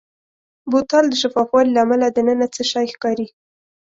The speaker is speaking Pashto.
بوتل د شفاف والي له امله دننه څه شی ښکاري.